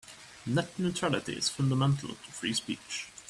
Net neutrality is fundamental to free speech.